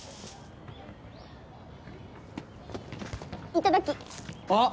いただきっ！